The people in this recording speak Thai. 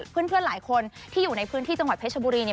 เพื่อนหลายคนที่อยู่ในพื้นที่จังหวัดเพชรบุรีเนี่ย